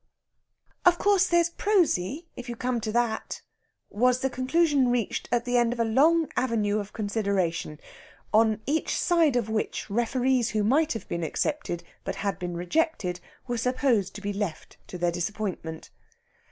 "Of course, there's Prosy, if you come to that," was the conclusion reached at the end of a long avenue of consideration, on each side of which referees who might have been accepted, but had been rejected, were supposed to be left to their disappointment.